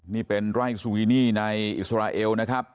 นี่เป็นไร่ซูกินี่ในอิสราเอลนะครับ